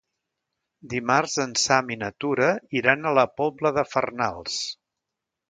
Dimarts en Sam i na Tura iran a la Pobla de Farnals.